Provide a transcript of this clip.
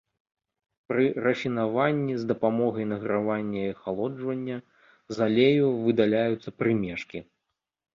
Пры рафінаванні з дапамогай награвання і ахалоджвання з алею выдаляюцца прымешкі.